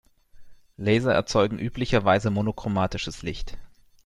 Laser erzeugen üblicherweise monochromatisches Licht.